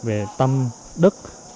về tâm đức